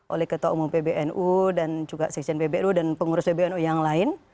oleh ketua umum pbnu dan juga seksian pbnu dan pengurus pbnu yang lain